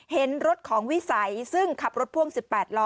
เห็นรถของวิสัยซึ่งขับรถพ่วง๑๘ล้อ